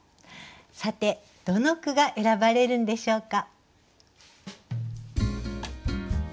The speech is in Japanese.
さてどの句が選ばれるんでしょうか。